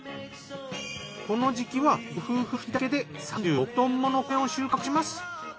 この時期はご夫婦２人だけで３６トンもの米を収穫します。